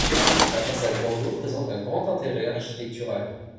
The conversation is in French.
La façade bordeaux présente un grand intérêt architectural.